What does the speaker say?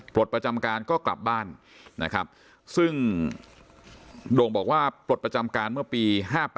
ปลดประจำการก็กลับบ้านนะครับซึ่งโด่งบอกว่าปลดประจำการเมื่อปี๕๘